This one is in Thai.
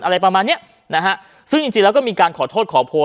อะไรประมาณเนี้ยนะฮะซึ่งจริงจริงแล้วก็มีการขอโทษขอโพย